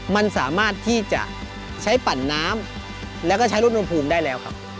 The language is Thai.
มันสามารถที่จะใช้ปั่นน้ำแล้วก็ใช้รถอุณหภูมิได้แล้วครับ